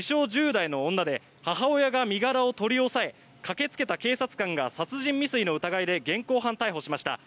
１０代の女で母親が身柄を取り押さえ駆けつけた警察官が殺人未遂の疑いで現行犯逮捕しました。